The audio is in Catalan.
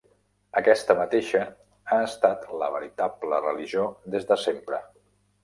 Aquesta mateixa ha estat la veritable religió des de sempre.